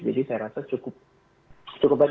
jadi saya rasa cukup baik